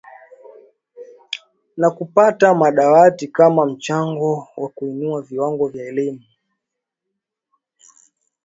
Na kupata madawati kama mchango wa kuinua viwango vya elimu.